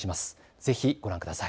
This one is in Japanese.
ぜひ、ご覧ください。